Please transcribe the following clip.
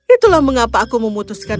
itulah mengapa aku memutuskan